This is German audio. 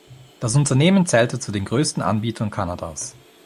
Das Unternehmen zählte zu den größten Anbietern Kanadas.